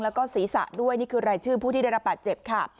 แล้วก็ศีรษะด้วยนี่คือรายชื่อผู้ที่ได้รับบาดเจ็บค่ะ